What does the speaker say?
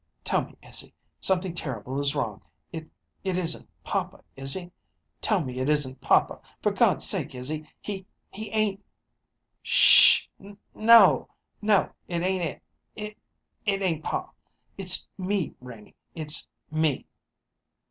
"Tell me, Izzy; something terrible is wrong. It it isn't papa, Izzy? Tell me it isn't papa. For God's sake, Izzy, he he ain't " "'Sh h h! N no! No, it ain't. It it ain't pa. It's me, Renie it's me!"